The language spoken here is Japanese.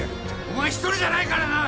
お前一人じゃないからな！